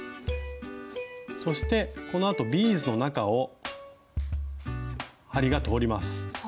そしてこのあとビーズの中を針が通ります。